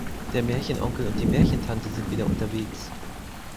Der Märchenonkel und die Märchentante sind wieder unterwegs.